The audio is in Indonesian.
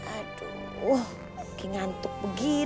aduh lagi ngantuk begitu ya